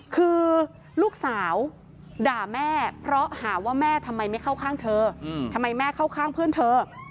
คือลูกสาวด่าแม่เพราะหาว่าแม่ทำไมไม่เข้าข้างเธอทำไมแม่เข้าข้างเพื่อนเธอ